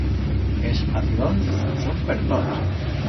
Es acirons son per tot.